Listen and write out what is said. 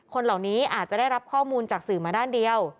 คนเหล่านี้อาจจะได้รับข้อมูลจากสื่อมาด้านเดียว